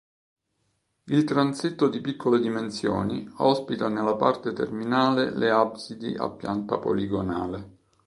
Il transetto di piccole dimensioni ospita nella parte terminale le absidi a pianta poligonale.